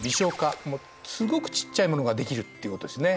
すごくちっちゃいものができるっていうことですね。